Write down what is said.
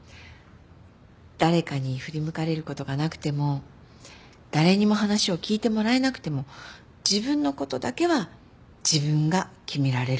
誰かに振り向かれることがなくても誰にも話を聞いてもらえなくても自分のことだけは自分が決められる。